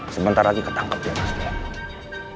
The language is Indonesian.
sebentar lagi ketangkep dia mas